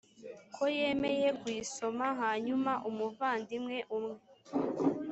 ko yemeye kuyisoma hanyuma umuvandimwe umwe